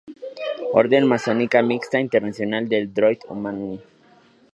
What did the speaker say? Orden Masónica Mixta Internacional Le Droit Humain.